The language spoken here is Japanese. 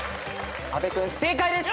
阿部君正解です。